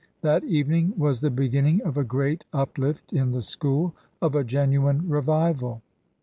That evening was the beginning of a great uplift in the school — of a genuine revival.